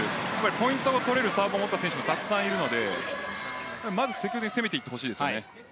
ポイントの取れるサーブを持った選手がたくさんいるのでまず積極的に攻めていってほしいです。